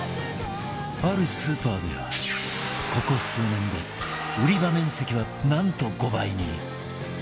あるスーパーではここ数年で売り場面積はなんと５倍に